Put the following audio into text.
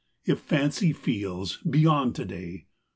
if fancy feels, beyond to day.